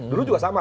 dulu juga sama